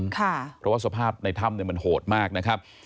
เพราะว่าสภาพในถ้ำมันโหดมากนะครับ